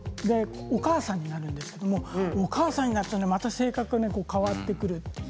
お母さんになるんですけれどそうなるとまた性格が変わってくる。